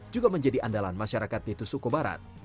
juga menjadi andalan masyarakat ditusuko barat